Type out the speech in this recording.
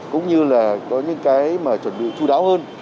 cũng như là có những cái mà chuẩn bị chú đáo hơn